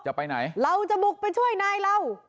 จะไปไหนเราจะบุกไปช่วยนายเรา